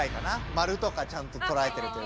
丸とかちゃんととらえてるというか。